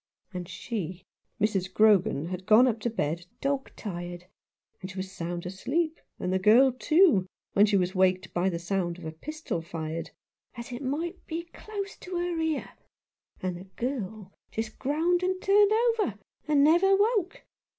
And she, Mrs. Grogan, had gone up to bed dog tired ; and she was sound asleep, and the girl, too, when she was waked by the sound of a pistol fired, as it might be close to her ear, and the girl just groaned and turned over and never woke.